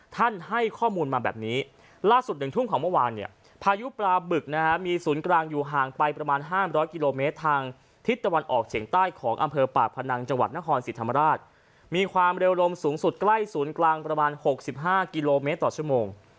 ให้ข้อมูลมาแบบนี้ล่าสุด๑ทุ่มของเมื่อวานเนี่ยพายุปลาบึกนะฮะมีศูนย์กลางอยู่ห่างไปประมาณ๕๐๐กิโลเมตรทางทิศตะวันออกเฉียงใต้ของอำเภอปากพนังจังหวัดนครศรีธรรมราชมีความเร็วลมสูงสุดใกล้ศูนย์กลางประมาณ๖๕กิโลเมตรต่อชั่วโมง